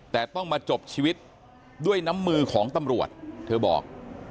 แต่ต้องมาจบชีวิตด้วยน้ำมือของตำรวจเธอบอก